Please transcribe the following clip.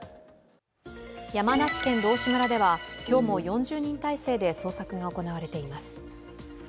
山梨県道志村では今日も４０人態勢で捜索が行われています。